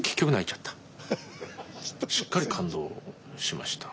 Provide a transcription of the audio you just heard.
しっかり感動しました。